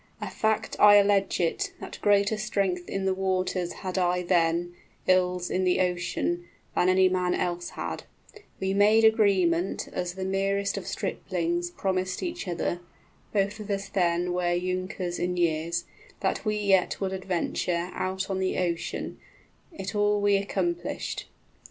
A fact I allege it, 35 That greater strength in the waters I had then, Ills in the ocean, than any man else had. We made agreement as the merest of striplings Promised each other (both of us then were {We simply kept an engagement made in early life.} Younkers in years) that we yet would adventure 40 Out on the ocean; it all we accomplished.